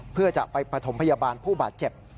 เพื่อจะไปปฐมพยาบาลผู้บาดเจ็บ